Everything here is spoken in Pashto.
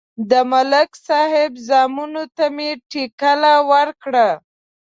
د ملک صاحب زامنو ته مې ټېکه ورکړه.